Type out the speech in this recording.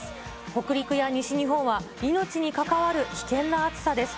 北陸や西日本は、命に関わる危険な暑さです。